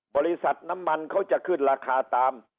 บริษัทน้ำมันเขาจะขึ้นราคาตาม